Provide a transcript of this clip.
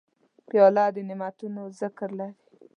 پیاله د نعتونو ذکر لري.